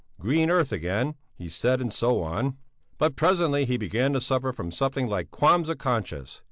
green earth again, he said, and so on. But presently he began to suffer from something like qualms of conscience.